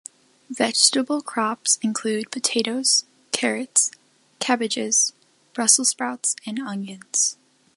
Vegetable crops include potatoes, carrots, cabbages, brussels sprouts and onions.